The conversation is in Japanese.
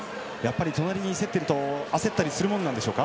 隣に競っていると焦ったりするものなんでしょうか。